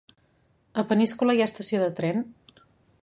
A Peníscola hi ha estació de tren?